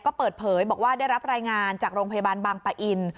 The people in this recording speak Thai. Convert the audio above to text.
ก็เปิดเผยบอกว่าได้รับรายงานจากโรงพยาบาลบางปะอิน